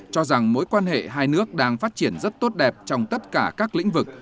cho rằng mối quan hệ hai nước đang phát triển rất tốt đẹp trong tất cả các lĩnh vực